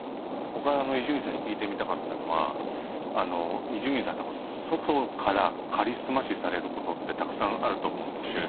僕は伊集院さんに聞いてみたかったのは伊集院さん多分外からカリスマ視されることってたくさんあると思うんですけど。